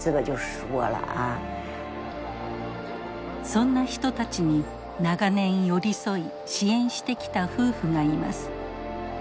そんな人たちに長年寄り添い支援してきた夫婦がいます。